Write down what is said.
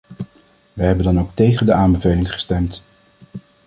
Wij hebben dan ook tegen de aanbeveling gestemd.